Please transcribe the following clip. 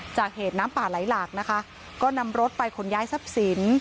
จากเหตุน้ำป่าไหลหลากนะคะก็นำรถไปขนย้ายทรัพย์สิน